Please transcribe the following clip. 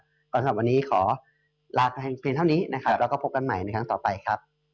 ก่อนข้างหลังวันนี้ขอลาเท่านี้แล้วก็พบกันใหม่ในครั้งต่อไปครับ